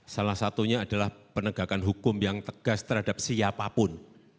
salah satunya adalah penegakan hukum yang tegas terhadap siapapun